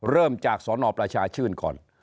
เริ่มจากสนประชาชื่นก่อน